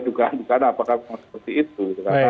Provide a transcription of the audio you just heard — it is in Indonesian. dugaan dugaan apakah memang seperti itu